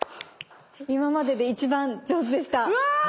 今までで一番上手でした。